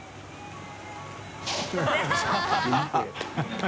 ハハハ